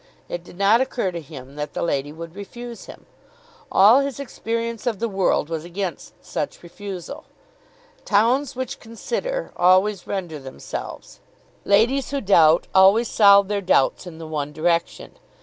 It did not occur to him that the lady would refuse him. All his experience of the world was against such refusal. Towns which consider, always render themselves. Ladies who doubt always solve their doubts in the one direction.